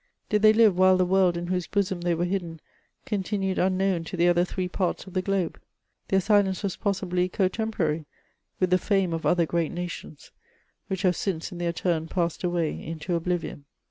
Did they live while the world, in whose bosom they were hidden, continued un known to the other three parts of the globe ? Their silence was possibly cotemporary with the fame of other great nations which have smce in their turn passed away into oblivion.